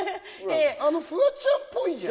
フワちゃんっぽいじゃん。